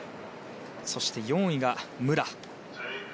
そして４位が武良。